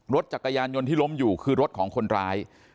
รถจักรยานยนต์ที่ล้มอยู่คือรถของคนร้าย